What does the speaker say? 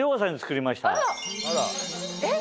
えっ？